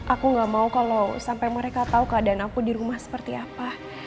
aku gak mau kalau sampai mereka tahu keadaan aku di rumah seperti apa